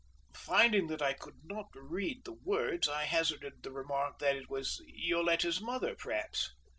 Finding that I could not read the words, I hazarded the remark that it was Yoletta's mother, perhaps.